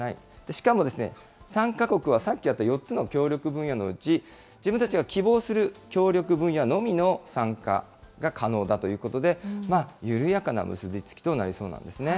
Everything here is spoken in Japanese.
しかも参加国は、さっきあった４つの協力分野のうち、自分たちが希望する協力分野のみの参加が可能だということで、緩やかな結び付きとなりそうなんですね。